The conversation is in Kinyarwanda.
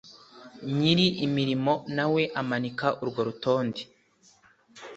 Nyir imirimo nawe amanika urwo rutonde